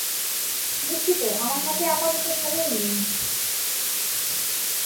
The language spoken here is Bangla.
দুঃখিত, আমার হাতে আপাতত সময় নেই!